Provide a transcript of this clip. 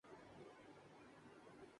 ایک متنازعہ موضوع رہا ہے